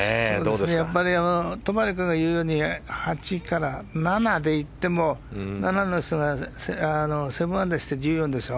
やっぱり戸張君が言うように８から７でいっても７の人が７アンダーして１４でしょ。